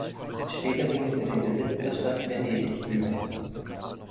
Später ging es in den Besitz der Stadt Venedig über.